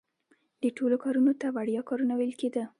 دې ټولو کارونو ته وړیا کارونه ویل کیده.